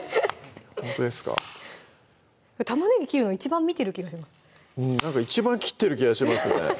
ほんとですか玉ねぎ切るの一番見てる気がしますなんか一番切ってる気がしますね